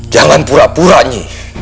jangan pura pura ny